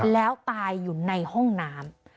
แล้วตายอยู่ในห้องน้ำ